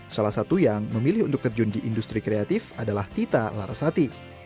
salah satu yang memilih untuk terjun di industri kreatif adalah tita larasati